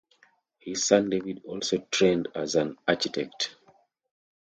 His son David also trained as an architect.